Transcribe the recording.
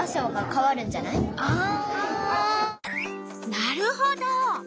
なるほど。